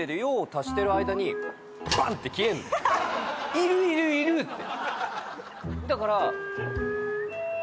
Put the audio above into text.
いるいるいるって。